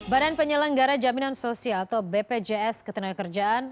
badan penyelenggara jaminan sosial atau bpjs ketenagakerjaan